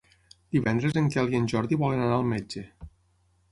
Divendres en Quel i en Jordi volen anar al metge.